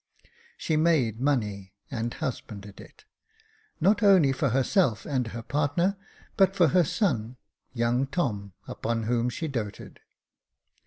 She made money and husbanded it, not only for herself and her partner, but for her son, young Tom, upon whom she doted.